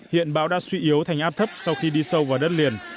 hiện bão đã suy yếu thành áp thấp sau khi đi sâu vào đất liền